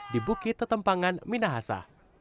di bukit tetempangan minahasa